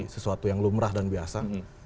sesuatu yang lumrah dan biasa